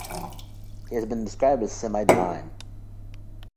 He has been described as semi-divine.